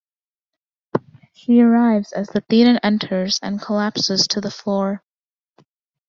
She arrives as the Thetan enters and collapses to the floor.